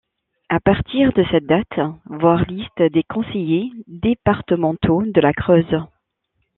À partir de cette date, voir Liste des conseillers départementaux de la Creuse.